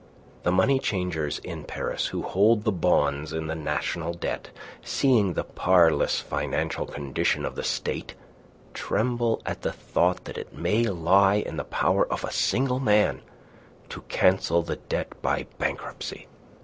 The money changers in Paris who hold the bonds in the national debt, seeing the parlous financial condition of the State, tremble at the thought that it may lie in the power of a single man to cancel the debt by bankruptcy.